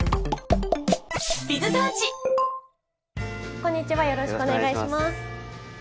こんにちはよろしくお願いします。